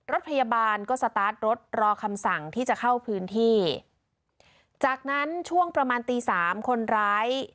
รถพยาบาลก็สตาร์ทรถรอคำสั่งที่จะเข้าพื้นที่จากนั้นช่วงประมาณตีสามคนร้าย